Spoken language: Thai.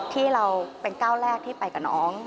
ที่เราเป็นก้าวแรกที่ไปกับน้อง